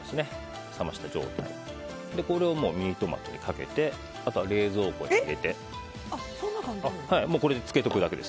これはミニトマトにかけて冷蔵庫に入れて漬けておくだけです。